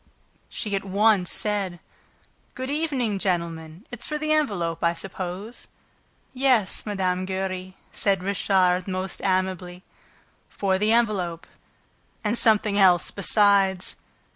She at once said: "Good evening, gentlemen! It's for the envelope, I suppose?" "Yes, Mme. Giry," said Richard, most amiably. "For the envelope ... and something else besides."